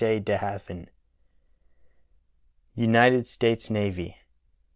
De Haven, United States Navy.